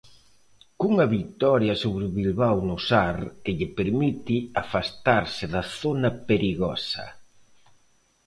Cunha vitoria sobre o Bilbao no Sar, que lle permite afastarse da zona perigosa.